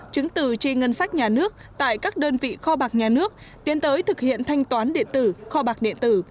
chứng từ tri ngân sách nhà nước tại các đơn vị kho bạc nhà nước tiến tới thực hiện thanh toán điện tử